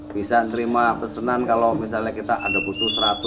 bisa terima pesanan kalau misalnya kita ada butuh seratus